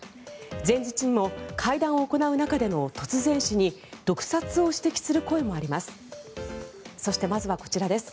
前日にも会談を行う中での突然死に毒殺を指摘する声もあります。